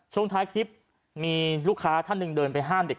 ช่วงท้ายคลิปมีลูกค้าท่านหนึ่งเดินไปห้ามเด็ก